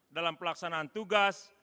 dalam pelaksanaan tugas